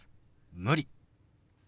「無理」。